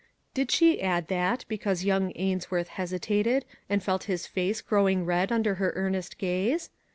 Did she add that, because young Ainsworth hesitated, and felt his face growing red under her earnest gaze?